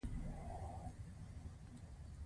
د ټولو حل لارو څخه یوه غوره کوي.